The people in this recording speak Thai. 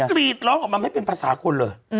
กรีดร้องออกมาไม่เป็นภาษาคนเลย